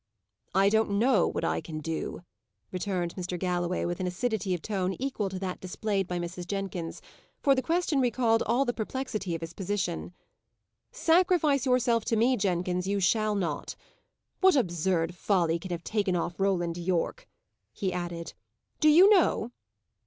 "I don't know what I can do," returned Mr. Galloway, with an acidity of tone equal to that displayed by Mrs. Jenkins, for the question recalled all the perplexity of his position. "Sacrifice yourself to me, Jenkins, you shall not. What absurd folly can have taken off Roland Yorke?" he added. "Do you know?"